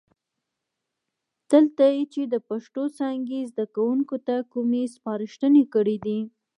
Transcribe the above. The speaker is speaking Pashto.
دلته یې چې د پښتو څانګې زده کوونکو ته کومې سپارښتنې کړي دي،